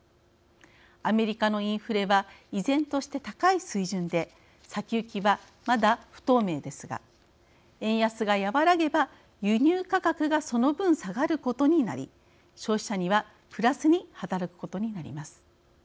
アメリカのインフレは依然として高い水準で先行きはまだ不透明ですが円安が和らげば輸入価格が、その分下がることになり消費者にはプラスに働くことになります。